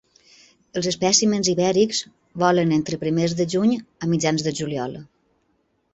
Els espècimens ibèrics volen entre primers de juny a mitjans de juliol.